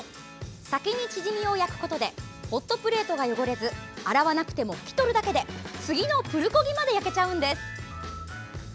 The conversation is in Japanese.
先にチヂミを焼くことでホットプレートが汚れず洗わなくても拭き取るだけで次のプルコギまで焼けちゃうんです。